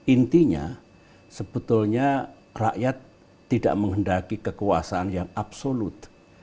intinya sebetulnya rakyat tidak menghendaki kekuasaan yang absolut